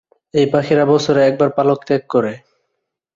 এই পাখিরা বছরে একবার পালক ত্যাগ করে।